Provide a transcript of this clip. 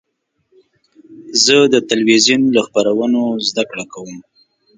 زه د تلویزیون له خپرونو زده کړه کوم.